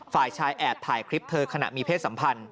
ฝ่ายชายแอบถ่ายคลิปเธอขณะมีเพศสัมพันธ